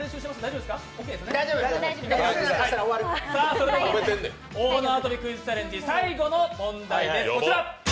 それでは大縄跳びクイズチャレンジ最後の問題です。